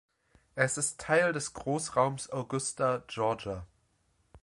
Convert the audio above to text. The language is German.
Es ist Teil des Großraums Augusta, Georgia.